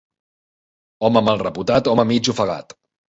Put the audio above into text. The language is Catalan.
Home mal reputat, home mig ofegat.